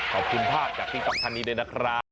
ขอบคุณภาพจากพี่สองท่านนี้ด้วยนะครับ